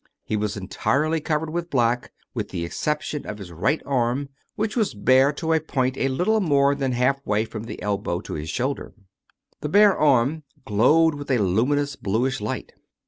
He was entirely covered with black with the exception of his right arm, which was bare to a point a little more than halfway from the elbow to his shoulder. The bare arm glowed with a luminous bluish light.